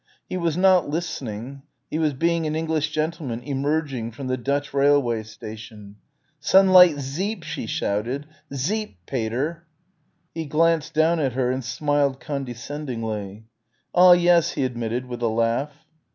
He was not listening. He was being an English gentleman, "emerging" from the Dutch railway station. "Sunlight Zeep," she shouted. "Zeep, Pater!" He glanced down at her and smiled condescendingly. "Ah, yes," he admitted with a laugh.